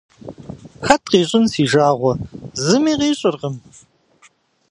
Хэт къищӏын си жагъуэ зыми къищӏыркъым.